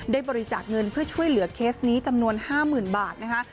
บริจาคเงินเพื่อช่วยเหลือเคสนี้จำนวน๕๐๐๐บาทนะคะ